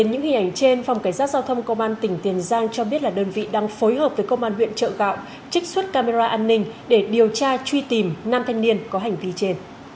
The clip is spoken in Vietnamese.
hãy đăng ký kênh để ủng hộ kênh của mình nhé